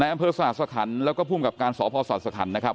ในอำเภิกษาสถานศาสตร์แล้วก็พุ่มกับการสอบพศาสตร์สถานศาสตร์นะครับ